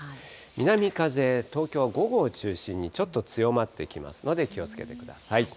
南風、東京は午後を中心にちょっと強まってきますので、気をつけてください。